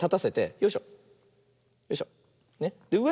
よいしょ。